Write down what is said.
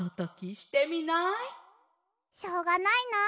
しょうがないな。